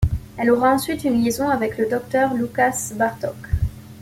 Elle aura ensuite une liaison avec le docteur Lukas Bartok.